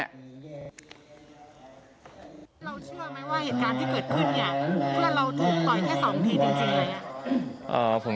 เราช่วยไหมว่าเหตุการณ์ที่เกิดขึ้นอย่างเพื่อนเราถูกต่อยแค่สองผีจริงเลย